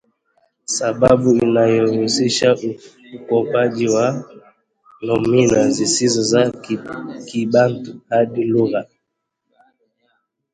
sababu unahusisha ukopaji wa nomino zisizo za kibantu hadi lugha